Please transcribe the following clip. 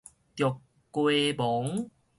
著雞盲